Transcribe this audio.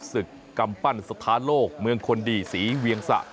กำปั้นสถานโลกเมืองคนดีศรีเวียงสะ